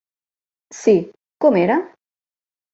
Sí; com era?